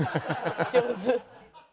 上手。